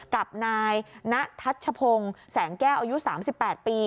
กับนายณทัชพงศ์แสงแก้วอายุ๓๘ปี